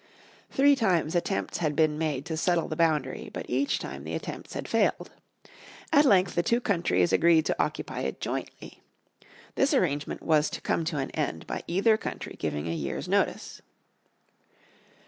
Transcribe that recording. Three times attempts had been made to settle the boundary, but each time the attempts had failed. At length the two countries agreed to occupy it jointly. This arrangement was to come to an end by either country giving a year's notice.